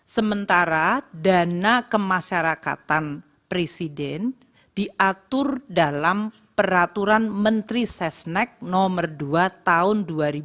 sementara dana kemasyarakatan presiden diatur dalam peraturan menteri sesnek nomor dua tahun dua ribu dua puluh